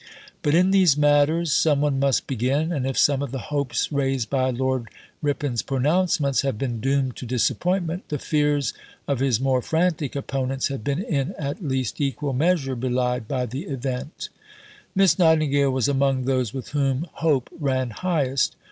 But in these matters some one must begin; and if some of the hopes raised by Lord Ripon's pronouncements have been doomed to disappointment, the fears of his more frantic opponents have been in at least equal measure belied by the event. Miss Nightingale was among those with whom hope ran highest.